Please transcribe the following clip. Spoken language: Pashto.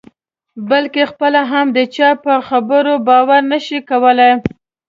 بلکې خپله هم د چا په خبرو باور نه شي کولای.